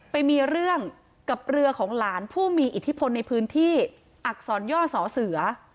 ไปมีเรื่องกับเรือของหลานผู้มีอิทธิพลในพื้นที่อักษรย่อสอเสือ